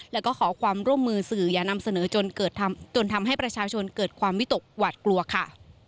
แล้วก็ขอความร่วมมือสื่ออย่านำเสนอจนเกิดจนทำให้ประชาชนเกิดความวิตกหวาดกลัวค่ะ